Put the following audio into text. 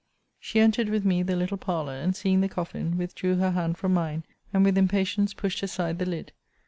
She entered with me the little parlour; and seeing the coffin, withdrew her hand from mine, and with impatience pushed aside the lid.